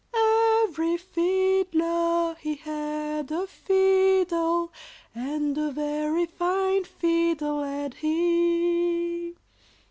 Every fiddler he had a fiddle, And a very fine fiddle had he!